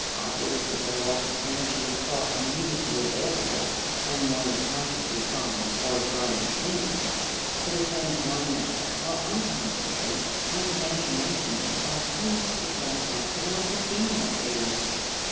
Obvious is the loss of energy of thought immediately available when one is consciously trying (or trying to seem to try) to attend to one matter, while unconsciously one's imagination is spontaneously going out to more congenial affairs.